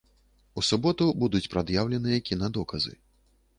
У суботу будуць прад'яўленыя кінадоказы.